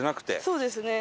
そうですね。